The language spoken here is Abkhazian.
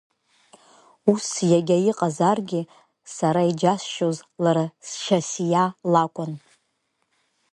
Ус егьа иҟазаргьы, сара иџьасшьоз лара Шьасиа лакәын.